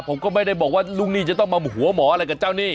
ผมก็ไม่ได้บอกว่าลูกหนี้จะต้องมาหัวหมออะไรกับเจ้าหนี้